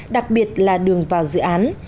đặc biệt là đường vào dự án